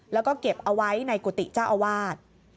แล้วก็เก็บเอาไว้ในกุฏิเจ้าอาวาส